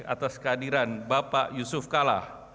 atas kehadiran bapak yusuf kala